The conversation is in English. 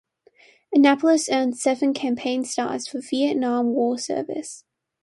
"Annapolis" earned seven campaign stars for Vietnam War service.